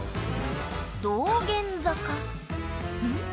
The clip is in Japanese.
道玄坂ん？